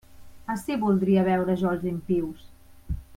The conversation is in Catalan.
Ací voldria veure jo els impius.